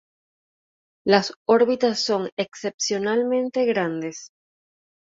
Las órbitas son excepcionalmente grandes.